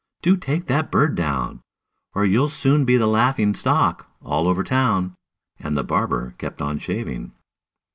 Do take that bird down, Or you'll soon be the laughing stock all over town!" And the barber kept on shaving.